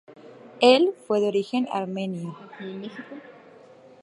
Él fue de origen armenio.